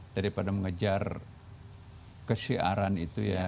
daripada mengejar kesiaran itu ya